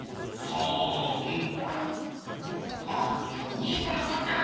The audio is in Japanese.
２このこった！